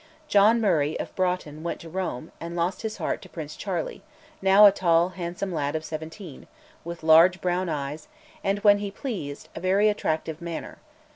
John Murray of Broughton went to Rome, and lost his heart to Prince Charles now a tall handsome lad of seventeen, with large brown eyes, and, when he pleased, a very attractive manner.